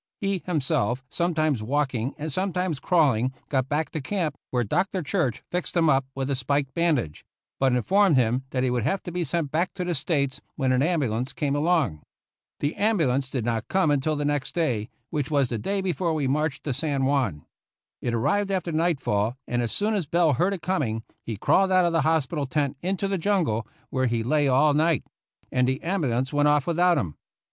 He himself, some times walking, and sometimes crawling, got back to camp, where Dr. Church fixed him up with a spike bandage, but informed him that he would have to be sent back to the States when an am bulance came along. The ambulance did not come until the next day, which was the day be fore we marched to San Juan. It arrived aftei nightfall, and as soon as Bell heard it coming, he crawled out of the hospital tent into the jungle, where he lay all night; and the ambulance went off without him.